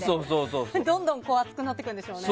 どんどん暑くなっていくんでしょうね。